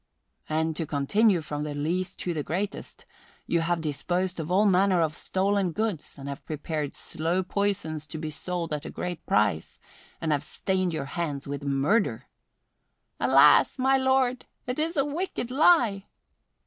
"And to continue from the least to the greatest, you have disposed of all manner of stolen goods, and have prepared slow poisons to be sold at a great price and have stained your hands with murder." "Alas, my lord, it is a wicked lie